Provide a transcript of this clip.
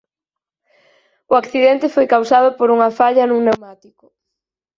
O accidente foi causado por unha falla nun pneumático.